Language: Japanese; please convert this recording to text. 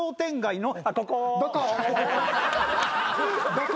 どこ？